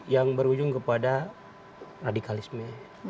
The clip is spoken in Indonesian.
yang berujung kepada radikalisme